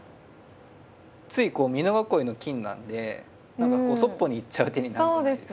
ついこう美濃囲いの金なんで何かそっぽに行っちゃう手になるじゃないですか。